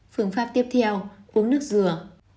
phương pháp tiếp theo uống nước dừa